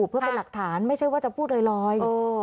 เพื่อเป็นหลักฐานไม่ใช่ว่าจะพูดลอย